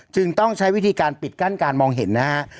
จึงต้องใช้วิธีการปิดกั้นการมองเห็นนะฮะ